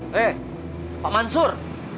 hei pak mansur